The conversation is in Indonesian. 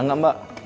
ada gak mbak